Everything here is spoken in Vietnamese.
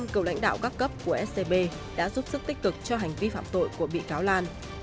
bốn mươi năm cầu lãnh đạo các cấp của scb đã giúp sức tích cực cho hành vi phạm tội của bị cáo lan